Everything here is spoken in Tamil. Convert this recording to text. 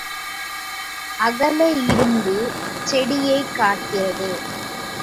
அகல இருந்து செடியைக் காக்கிறது.